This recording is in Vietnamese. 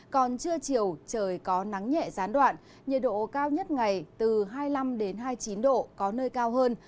còn trưa chiều trời có nắng nhẹ gián đoạn nhiệt độ cao nhất ngày từ hai mươi năm hai mươi chín độ có nơi cao hơn